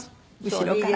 後ろから。